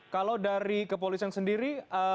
kalau dari kepolisian sendiri